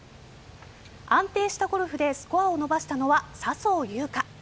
安定したゴルフでスコアを伸ばしたのは笹生優花。